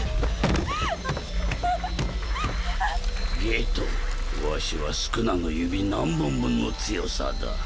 夏油わしは宿儺の指何本分の強さだ？